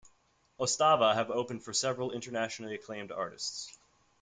Ostava have opened for several internationally acclaimed artists.